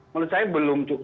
menurut saya belum cukup